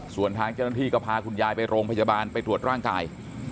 ส่วนทางเจ้าหน้าที่ก็พาคุณยายไปโรงพยาบาลไปตรวจร่างกาย